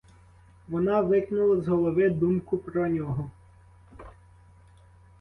Вона викинула з голови думку про нього.